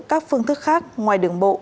các phương thức khác ngoài đường bộ